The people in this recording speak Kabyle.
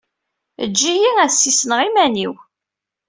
Eǧǧ-iyi ad d-ssisneɣ iman-iw.